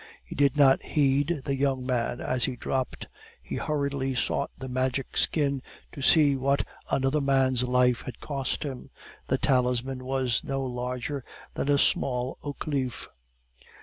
He did not heed the young man as he dropped; he hurriedly sought the Magic Skin to see what another man's life had cost him. The talisman was no larger than a small oak leaf.